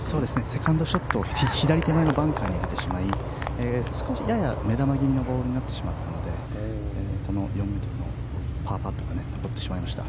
セカンドショットを左手手前のバンカーに入れてしまいやや目玉気味のボールになってしまったのでパーパットが残ってしまいました。